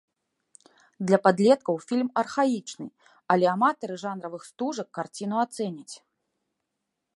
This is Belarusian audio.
Для падлеткаў фільм архаічны, але аматары жанравых стужак карціну ацэняць.